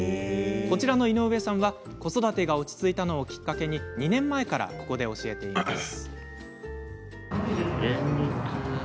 こちらの井上さんは、子育てが落ち着いたのをきっかけに２年前から、ここで教えています。